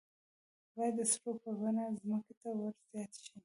باید د سرو په بڼه ځمکې ته ور زیاتې شي.